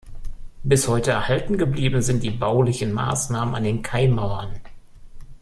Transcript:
Bis heute erhalten geblieben sind die baulichen Maßnahmen an den Kaimauern.